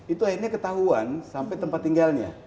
itu akhirnya ketahuan sampai tempat tinggalnya